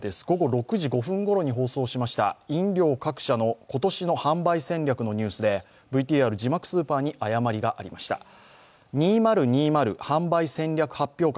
午後６時５分ごろに放送しました飲料各社の今年の販売戦略のニュースでＶＴＲ字幕スーパーに誤りがありました。